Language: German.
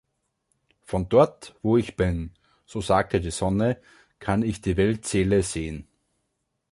„Von dort, wo ich bin“, so sagte die Sonne, „kann ich die Weltseele sehen.“